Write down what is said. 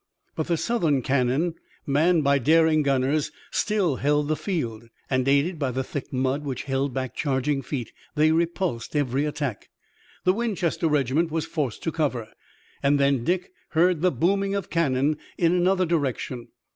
But the Southern cannon, manned by daring gunners, still held the field and, aided by the thick mud which held back charging feet, they repulsed every attack. The Winchester regiment was forced to cover, and then Dick heard the booming of cannon in another direction.